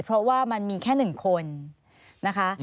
เพราะว่ามันมีแค่๑คนนะคะ